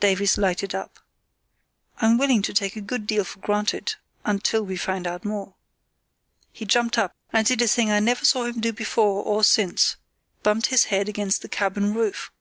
Davies lighted up. "I'm willing to take a good deal for granted—until we find out more." He jumped up, and did a thing I never saw him do before or since—bumped his head against the cabin roof.